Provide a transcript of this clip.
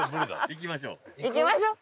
行きましょう。